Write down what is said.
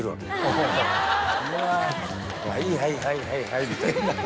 「はいはいはいはいはい」みたいな。